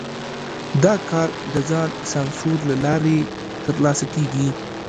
دا کار د ځان سانسور له لارې ترسره کېږي.